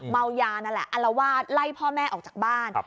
เมายานั่นแหละอลวาดไล่พ่อแม่ออกจากบ้าน